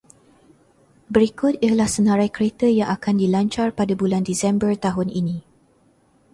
Berikut ialah senarai kereta yang akan dilancar pada bulan Disember tahun ini.